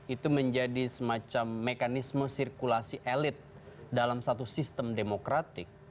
itu menjadi semacam mekanisme sirkulasi elit dalam satu sistem demokratik